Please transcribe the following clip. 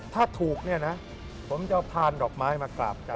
ถ้าถูกผมจะเอาทานดอกไม้มากราบกัน